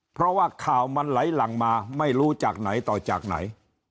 เพราะว่าข่าวมันไหลหลั่งมาไม่รู้จากไหนต่อจากไหน